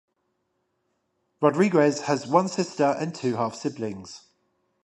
Rodriguez has one sister and two half-siblings.